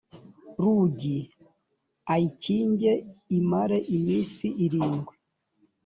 rugi ayikinge imare iminsi irindwi